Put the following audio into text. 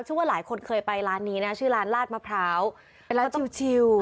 ชื่อว่าหลายคนเคยไปร้านนี้นะชื่อร้านลาดมะพร้าว